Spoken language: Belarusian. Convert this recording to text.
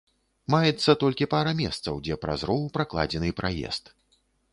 Маецца толькі пара месцаў, дзе праз роў пракладзены праезд.